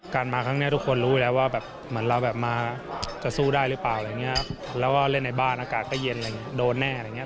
การมาครั้งนี้ทุกคนรู้แล้วว่าแบบเหมือนเราแบบมาจะสู้ได้หรือเปล่าอะไรอย่างนี้